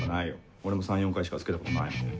俺も３４回しか着けたことないもん。